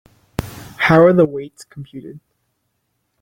How are the weights computed?